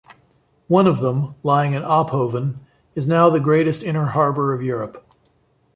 One of them, lying in Ophoven, is now the greatest inner harbour of Europe.